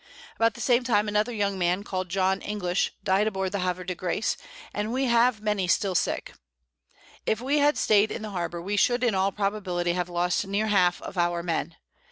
About the same time another young Man, call'd John English, died aboard the Haver de Grace, and we have many still sick. If we had staid in the Harbour, we should in all probability have lost near half of our Men.